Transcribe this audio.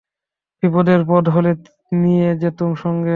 বিপদের পথ হলে নিয়ে যেতুম সঙ্গে।